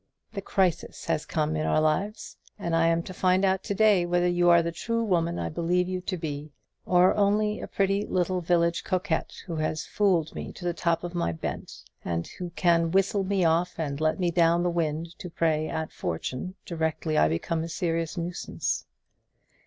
The crisis has come in our lives, and I am to find out to day whether you are the true woman I believe you to be, or only a pretty little village coquette, who has fooled me to the top of my bent, and who can whistle me off and let me down the wind to prey at fortune directly I become a nuisance.